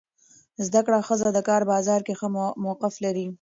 زده کړه ښځه د کار بازار کې ښه موقف لري.